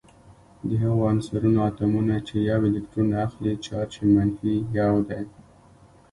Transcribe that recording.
د هغو عنصرونو اتومونه چې یو الکترون اخلي چارج یې منفي یو دی.